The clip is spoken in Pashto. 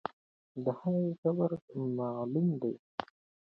د هغې قبر معلوم دی.